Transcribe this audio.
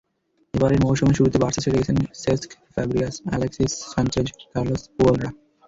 এবারের মৌসুমের শুরুতে বার্সা ছেড়ে গেছেন Cesc Fabregas, Alexis Sanchez, Carlos পুয়োলরা।